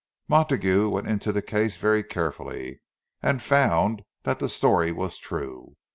Montague went into the case very carefully, and found that the story was true.